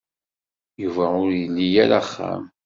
Yuba ur ili ara axxam.